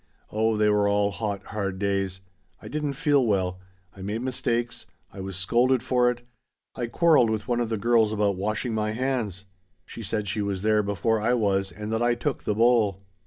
Oh they were all hot, hard days. I didn't feel well. I made mistakes. I was scolded for it. I quarreled with one of the girls about washing my hands! She said she was there before I was and that I took the bowl.